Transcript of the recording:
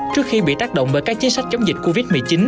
trước khi bị tác động bởi các chính sách chống dịch covid một mươi chín